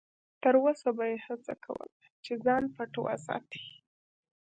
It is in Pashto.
تر وسه به یې هڅه کوله چې ځان پټ وساتي.